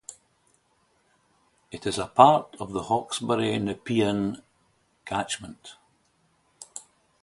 It is a part of the Hawkesbury-Nepean catchment.